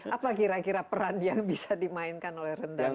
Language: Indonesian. apa kira kira peran yang bisa dimainkan oleh rendang